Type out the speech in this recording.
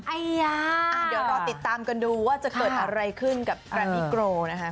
เดี๋ยวรอติดตามกันดูว่าจะเกิดอะไรขึ้นกับแกรมิโกรนะคะ